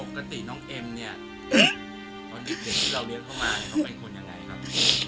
ปกติน้องเอ็มเนี่ยตอนเด็กที่เราเลี้ยงเข้ามาเนี่ยเขาเป็นคนยังไงครับ